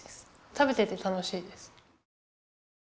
食べてて楽しいです。